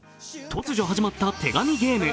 突如始まった手紙ゲーム。